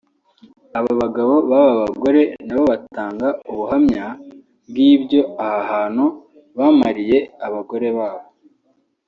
Abagabo b’aba bagore na bo batanga ubuhamya bw’ibyo aha hantu bamariye abagore babo